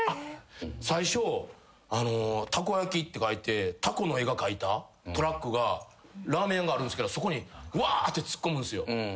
最初「たこ焼き」って書いてタコの絵が描いたトラックがラーメン屋があるんすけどそこにわって突っ込むんすよ。